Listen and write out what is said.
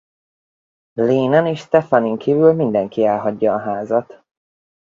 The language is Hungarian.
Lane-nen és Stephanie-n kívül mindenki elhagyja a házat.